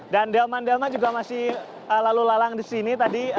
dan delman delman juga masih lalu lalang di sini tadi